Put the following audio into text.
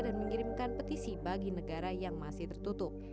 dan mengirimkan petisi bagi negara yang masih tertutup